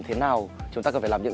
và nó rất là ấm